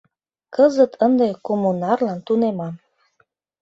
Кызыт ынде «Коммунарлан» тунемам.